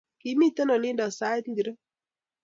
Kimito olindo sait ngiro?